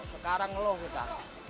sekarang ngeluh kita